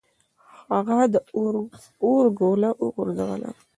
هغه د اور ګوله وغورځوله.